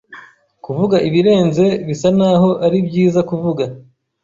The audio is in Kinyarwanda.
Kuvuga ibirenze bisa naho ari byiza kuvuga